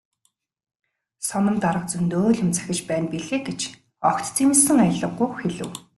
"Соном дарга зөндөө л юм захиж байна билээ" гэж огт зэмлэсэн аялгагүй хэлэв.